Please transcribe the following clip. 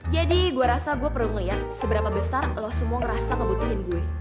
jadi gue rasa gue perlu ngeliat seberapa besar lo semua ngerasa ngebutirin gue